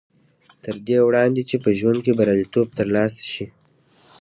تر دې وړاندې چې په ژوند کې برياليتوب تر لاسه شي.